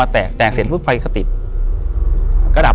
อยู่ที่แม่ศรีวิรัยิลครับ